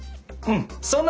うん。